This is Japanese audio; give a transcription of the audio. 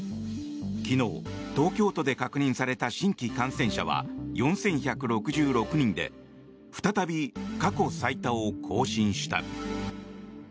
昨日、東京都で確認された新規感染者は４１６６人で再び過去最多を更新した。